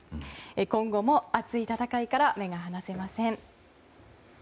今後も、熱い戦いから目が離せません。